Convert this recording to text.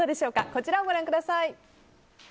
こちらをご覧ください。